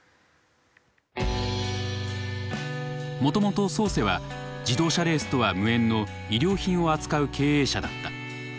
もともとソーセは自動車レースとは無縁の衣料品を扱う経営者だった。